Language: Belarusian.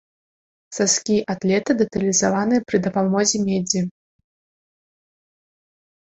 Саскі атлета дэталізаваны пры дапамозе медзі.